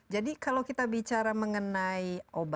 jadi kalau kita bicara mengenai